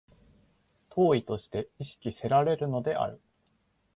当為として意識せられるのである。